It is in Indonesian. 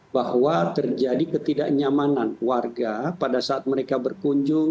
bahwa terjadi ketidaknyamanan warga pada saat mereka berkunjung